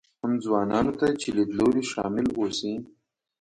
هم ځوانانو ته چې لیدلوري شامل اوسي.